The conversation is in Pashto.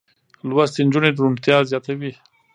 لوستې نجونې روڼتيا زياتوي.